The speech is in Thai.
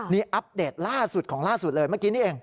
นี่อัปเดตล่าสุดของล่าสุดเลยเมื่อกี้นี่เอง